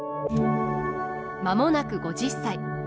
間もなく５０歳。